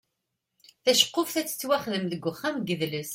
Taceqquft ad tettwaxdem deg uxxam n yidles.